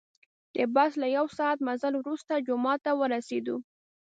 د بس له یو ساعت مزل وروسته جومات ته ورسیدو.